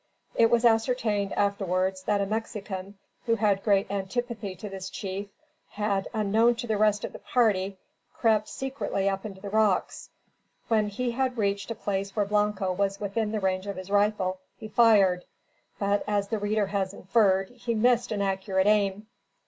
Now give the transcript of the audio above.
It was ascertained, afterwards, that a Mexican, who had great antipathy to this chief, had, unknown to the rest of the party, crept secretly up into the rocks. When he had reached a place where Blanco was within the range of his rifle, he fired; but, as the reader has inferred, he missed an accurate aim.